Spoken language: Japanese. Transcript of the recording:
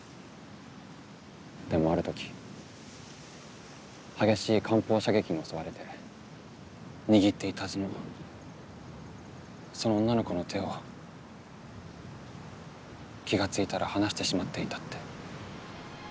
でもある時激しい艦砲射撃に襲われて握っていたはずのその女の子の手を気が付いたら離してしまっていたって。